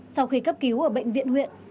sau khi cấp cứu ở bệnh viện huyện